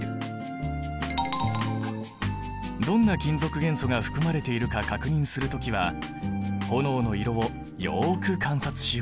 どんな金属元素が含まれているか確認する時は炎の色をよく観察しよう。